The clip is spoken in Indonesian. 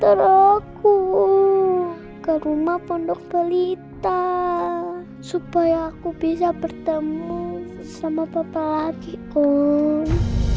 tolong antar aku ke rumah pondok belita supaya aku bisa bertemu sama papa lagi om